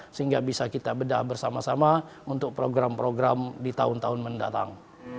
sehingga bisa kita bedah bersama sama untuk program program di tahun tahun mendatang